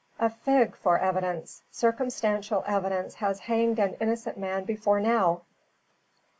"A fig for evidence. Circumstantial evidence has hanged an innocent man before now.